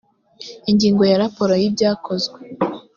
ingingo ya raporo y ibyakozwe